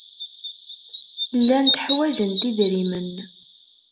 Llant ḥwajent idrimen.